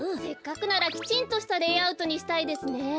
せっかくならきちんとしたレイアウトにしたいですね。